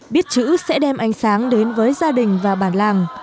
biết chữ sẽ đem ánh sáng đến với gia đình và bản làng